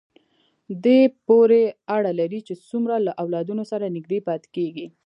دې پورې اړه لري چې څومره له اولادونو سره نږدې پاتې کېږي.